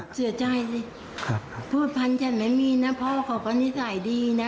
เสียใจสิพูดพันธฉันไม่มีนะพ่อเขาก็นิสัยดีนะ